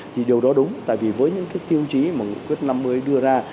thì điều đó đúng tại vì với những cái tiêu chí mà nghị quyết năm mươi đưa ra